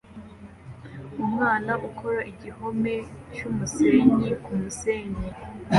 Umwana ukora igihome cyumusenyi kumusenyi